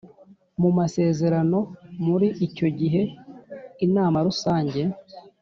mu masezerano Muri icyo gihe Inama rusange